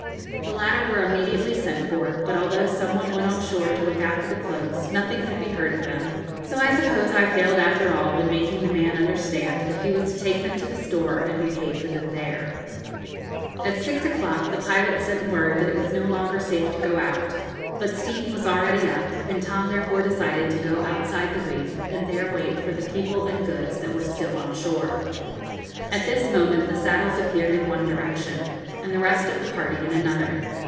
The latter were immediately sent for, but although some one went on shore to look after the cloaks nothing could be heard of them; so I suppose I failed after all in making the man understand that he was to take them to the store and be paid for them there. [Illustration: Chætodon Besantii] At six o'clock the pilot sent word that it was no longer safe to go out; but steam was already up, and Tom therefore decided to go outside the reef and there wait for the people and goods that were still on shore. At this moment the saddles appeared in one direction, and the rest of the party in another.